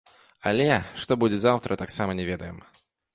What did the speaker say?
Але, што будзе заўтра, таксама не ведаем.